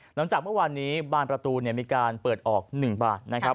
หลังจากเมื่อวานนี้บานประตูมีการเปิดออก๑บานนะครับ